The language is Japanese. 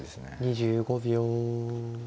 ２５秒。